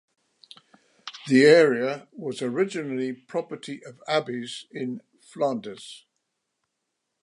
The area was originally property of abbeys in Flanders.